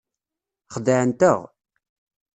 Xedɛent-aɣ.